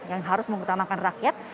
yang harus mengutamakan rakyat